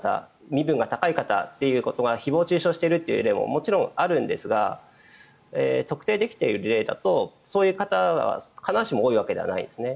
身分が高い方が誹謗・中傷している例ももちろんあるんですが特定できている事例だとそういう方は必ずしも多くないんですね。